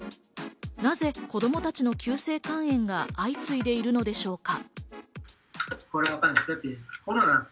なぜ子供たちの急性肝炎が相次いでいるのでしょうか？